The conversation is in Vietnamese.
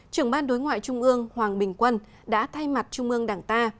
trưởng ban đối ngoại trung ương hoàng bình quân đã thay mặt trung ương đảng ta